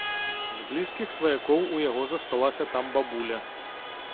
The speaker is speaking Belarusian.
З блізкіх сваякоў у яго засталася там бабуля.